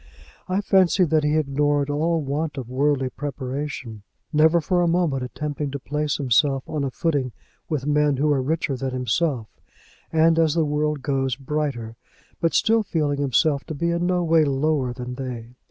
I fancy that he ignored all want of worldly preparation, never for a moment attempting to place himself on a footing with men who were richer than himself, and, as the world goes, brighter, but still feeling himself to be in no way lower than they.